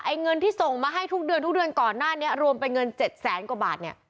เงินที่ส่งมาให้ทุกเดือนทุกเดือนก่อนหน้านี้รวมเป็นเงินเจ็ดแสนกว่าบาทเนี่ย